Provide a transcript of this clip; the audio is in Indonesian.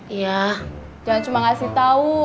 iya jangan cuma kasih tau